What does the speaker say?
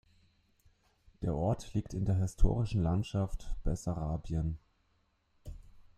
Der Ort liegt in der historischen Landschaft Bessarabien.